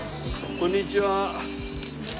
こんにちは。